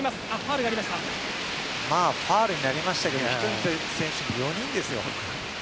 ファウルになりましたが１人の選手に４人ですよ。